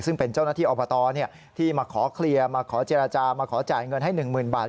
ซึ่งเป็นเจ้าหน้าที่อบตที่มาขอเคลียร์มาขอเจรจามาขอจ่ายเงินให้๑๐๐๐บาท